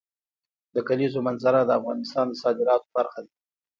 د کلیزو منظره د افغانستان د صادراتو برخه ده.